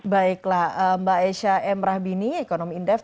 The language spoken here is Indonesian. baiklah mbak aisha m rahbini ekonomi in depth